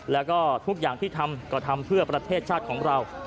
แล้วก็ทุกอย่างที่ทำก็ทำเพื่อประเทศชาติของเรา